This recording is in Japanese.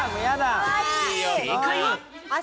正解は。